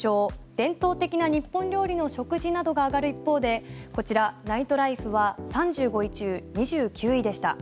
伝統的な日本料理の食事などが挙がる一方で、こちらナイトライフは３５位中２９位でした。